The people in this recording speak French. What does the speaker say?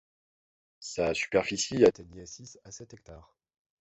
Sa superficie atteignait six à sept hectares.